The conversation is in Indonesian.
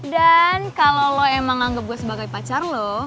dan kalau lo emang anggap gue sebagai pacar lo